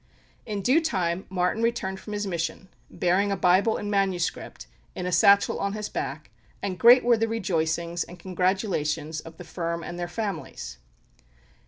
In due time Martin returned from his mission, bearing a Bible in manuscript, in a satchel on his back, and great were the rejoicings and congratulations of the firm and their families.